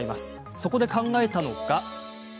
そこで考えたのが。